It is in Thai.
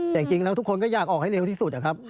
แต่จริงแล้วทุกคนก็อยากออกให้เร็วที่สุดนะครับ